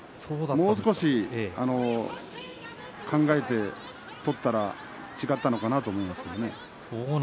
もう少し考えて取っていたら違ったのかなと思います。